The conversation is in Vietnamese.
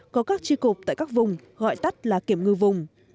có các tri cục tại các vùng gọi tắt là kiểm ngư vùng